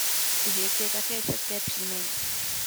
Žid je také české příjmení.